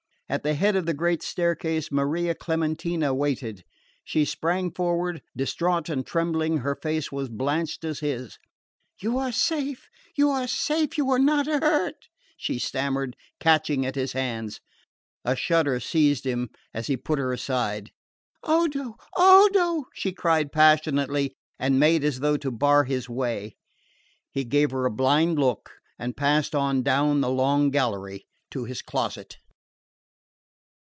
At the head of the great staircase Maria Clementina waited. She sprang forward, distraught and trembling, her face as blanched as his. "You are safe you are safe you are not hurt " she stammered, catching at his hands. A shudder seized him as he put her aside. "Odo! Odo!" she cried passionately, and made as though to bar his way. He gave her a blind look and passed on down the long gallery to his closet.